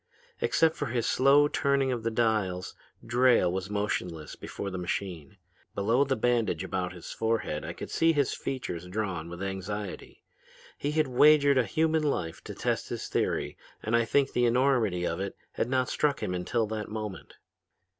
"Except for his slow turning of the dials Drayle was motionless before the machine. Below the bandage about his forehead I could see his features drawn with anxiety. He had wagered a human life to test his theory and I think the enormity of it had not struck him until that moment.